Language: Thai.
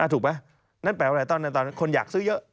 ถูกไหมนั่นแปลว่าอะไรตอนนั้นคนอยากซื้อเยอะ